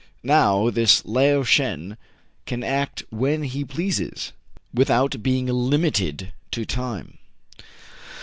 Now, this Lao Shen can act when he pleases, without being limited to time."